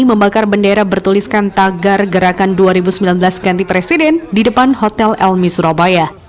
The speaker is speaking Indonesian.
membakar bendera bertuliskan tagar gerakan dua ribu sembilan belas ganti presiden di depan hotel elmi surabaya